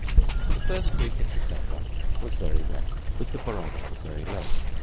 The first week in December was very wet, with the barometer very low.